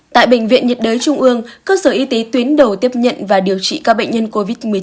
tại bệnh viện nhiệt đới trung ương cơ sở y tế tuyến đầu tiếp nhận và điều trị các bệnh nhân covid một mươi chín